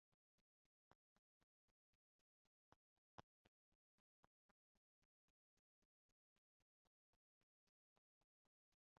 Oni supozas, ke ili sin nutras per etaj fruktoj, ankaŭ per insektoj aŭ nektaro.